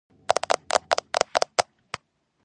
მდინარე ფრონეს ხეობაში.